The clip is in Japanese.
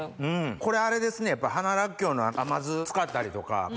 これあれですねやっぱ花らっきょうの甘酢使ったりとか。